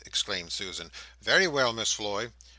exclaimed Susan. "Very well, Miss Floy!"